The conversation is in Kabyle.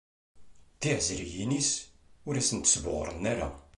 Tiɛezriyin-is, ur asent-sbuɣren ara.